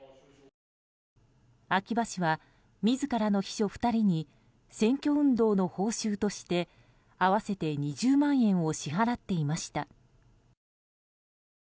秋葉氏は自らの秘書２人に選挙運動の報酬として合わせて２０万円を支払っていました。